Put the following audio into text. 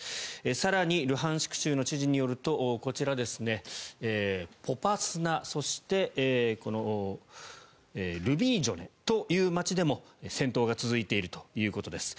更にルハンシク州の知事によるとこちら、ポパスナそしてルビージュネという街でも戦闘が続いているということです。